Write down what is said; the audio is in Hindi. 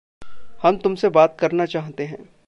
हम तुम से बात करना चाहते हैं।